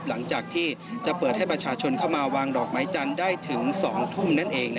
หลังจากที่จะเปิดให้ประชาชนเข้ามาวางดอกไม้จันทร์ได้ถึง๒ทุ่มนั่นเอง